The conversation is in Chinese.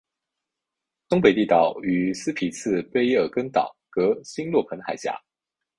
东北地岛与斯匹次卑尔根岛隔欣洛彭海峡。